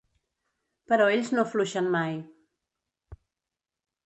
Però ells no afluixen mai.